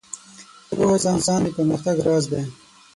• پوهه د انسان د پرمختګ راز دی.